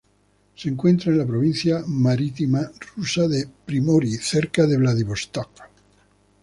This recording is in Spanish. Se encuentra en la provincia marítima rusa de Primorie, cerca de Vladivostok.